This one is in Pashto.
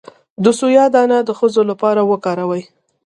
د سویا دانه د ښځو لپاره وکاروئ